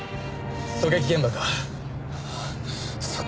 狙撃現場か？